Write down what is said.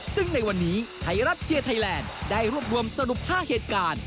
ซึ่งในวันนี้ไทยรัฐเชียร์ไทยแลนด์ได้รวบรวมสรุป๕เหตุการณ์